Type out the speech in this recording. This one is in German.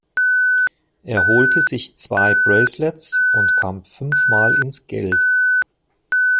Er holte sich zwei Bracelets und kam fünfmal ins Geld.